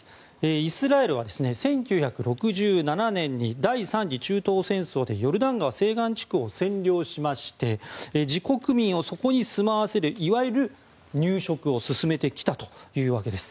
イスラエルは、１９６７年に第３次中東戦争でヨルダン川西岸地区を占領しまして自国民をそこに住まわせるいわゆる、入植を進めてきたというわけです。